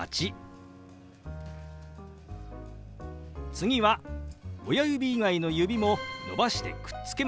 次は親指以外の指も伸ばしてくっつけます。